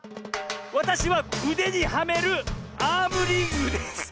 わたしはうでにはめるアームリングです！